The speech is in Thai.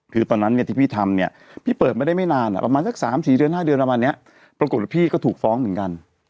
คือตอนนั้นเนี่ยที่พี่ทำเนี่ยพี่เปิดมาได้ไม่นานประมาณสัก๓๔เดือน๕เดือนประมาณนี้ปรากฏว่าพี่ก็ถูกฟ้องเหมือนกัน